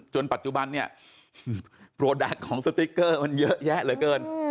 ปัจจุบันเนี่ยโปรดักต์ของสติ๊กเกอร์มันเยอะแยะเหลือเกิน